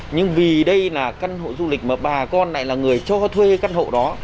nhưng vì đây là căn hộ du lịch mà bà con lại là người cho thuê căn hộ đó